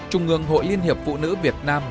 trung ngường hội liên hiệp vô nữ việt nam